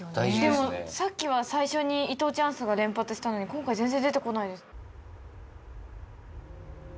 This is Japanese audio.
でもさっきは最初に伊藤チャンスが連発したのに今回全然出てこないです。